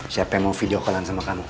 siapa yang mau video call an sama kamu